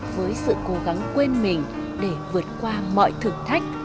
với sự cố gắng quên mình để vượt qua mọi thử thách